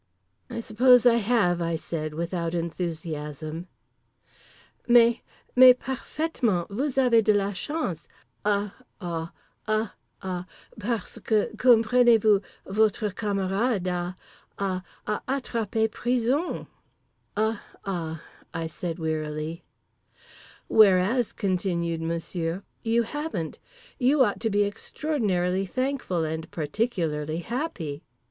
_" "I suppose I have," I said without enthusiasm. "_Mais—mais—parfaitement—vous avez de la chance—uh ah—uh ah—parce que—comprenez vous—votre camarade—ah ah—a attrapé prison!_" "Uh ah!" I said wearily. "Whereas," continued Monsieur, "you haven't. You ought to be extraordinarily thankful and particularly happy!"